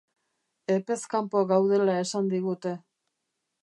Epez kanpo gaudela esan digute.